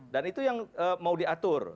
dan itu yang mau diatur